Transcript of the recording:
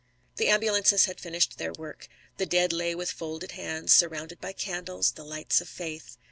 The ambulances had finished their work. The dead lay with folded hands, surrounded by candles, the lights of faith.